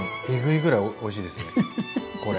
えぐいぐらいおいしいですね！